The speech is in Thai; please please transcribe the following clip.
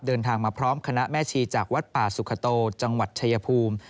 เดินทางมาพร้อมคณะแม่ชีจากวัดป่าสุขโตจังหวัดชายภูมิ